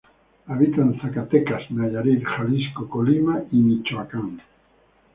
Habita en Zacatecas, Nayarit, Jalisco, Colima y Michoacán.